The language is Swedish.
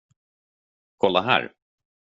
Kolla här.